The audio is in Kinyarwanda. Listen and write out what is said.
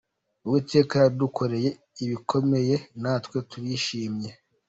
Uwiteka yadukoreye ibikomeye, natwe turishimye.